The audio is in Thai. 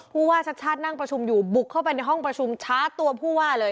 ผู้ว่าชาติชาตินั่งประชุมอยู่บุกเข้าไปในห้องประชุมช้าตัวผู้ว่าเลย